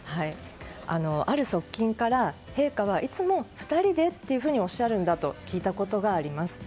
ある側近から、陛下はいつも２人でとおっしゃるんだと聞いたことがあります。